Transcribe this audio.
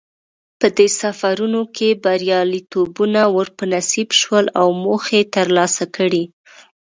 په دې سفرونو کې بریالیتوبونه ور په نصیب شول او موخې یې ترلاسه کړې.